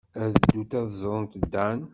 Ad ddunt ad ẓrent Dan.